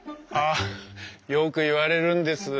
あよく言われるんです。